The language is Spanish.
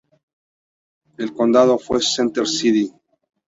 El condado fue Center City.